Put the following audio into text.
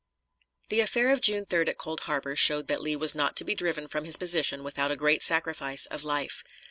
The affair of June 3d at Cold Harbor showed that Lee was not to be driven from his position without a great sacrifice of life.